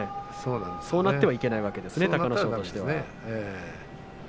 そうなってはいけないわけですね隆の勝としては。